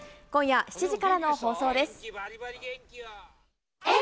今夜７時からの放送です。